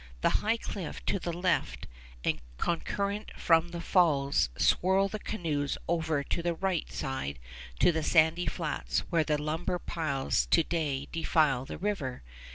The high cliff to the left and countercurrent from the falls swirl the canoes over on the right side to the sandy flats where the lumber piles to day defile the river.